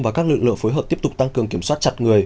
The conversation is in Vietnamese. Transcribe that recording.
và các lực lượng phối hợp tiếp tục tăng cường kiểm soát chặt người